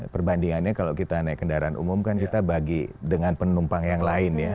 perbandingannya kalau kita naik kendaraan umum kan kita bagi dengan penumpang yang lain ya